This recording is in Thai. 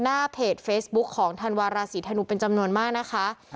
หน้าเพจเฟซบุ๊คของธันวาราศีธนูเป็นจำนวนมากนะคะ